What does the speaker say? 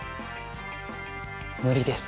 無理です。